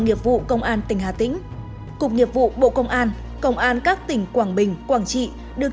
nghiệp vụ công an tỉnh hà tĩnh cục nghiệp vụ bộ công an công an các tỉnh quảng bình quảng trị được